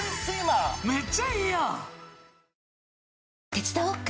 手伝おっか？